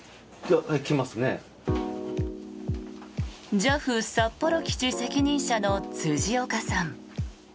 ＪＡＦ札幌基地責任者の辻岡さん。